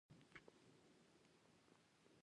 کور ته راغی او مېرمنې ته یې د اغزي له ستونزې شکایت وکړ.